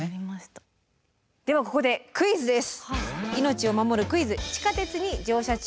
ではここでクイズです。